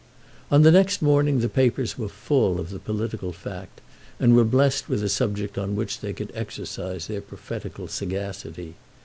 On the next morning the papers were full of the political fact, and were blessed with a subject on which they could excercise their prophetical sagacity.